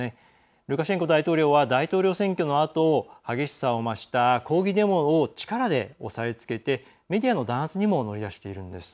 ルカシェンコ大統領は大統領選挙のあと激しさを増した抗議デモを力で押さえつけてメディアの弾圧にも乗り出しているんです。